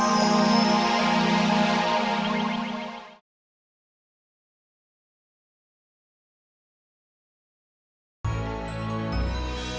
assalamualaikum wr wb